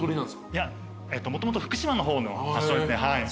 いやもともと福島の方の発祥ですね。